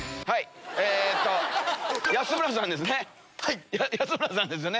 えっと安村さんですね？